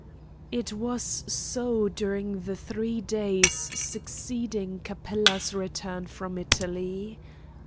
It was so during the three days succeeding Capella's return from Italy.